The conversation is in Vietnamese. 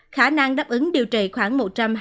khả năng đáp ứng điều trị khoảng